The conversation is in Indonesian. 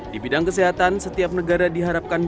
di bidang kesehatan setiap negara diharapkan